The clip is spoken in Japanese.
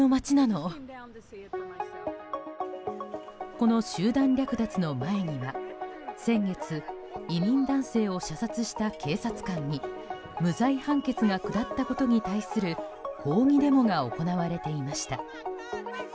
この集団略奪の前には、先月移民男性を射殺した警察官に無罪判決が下ったことに対する抗議デモが行われていました。